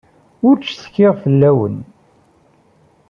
Ur ttcetkiɣ fell-awent.